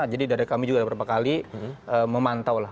jadi dari kami juga ada beberapa kali memantau lah